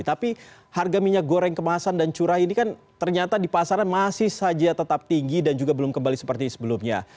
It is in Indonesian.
tapi harga minyak goreng kemasan dan curah ini kan ternyata di pasaran masih saja tetap tinggi dan juga belum kembali seperti sebelumnya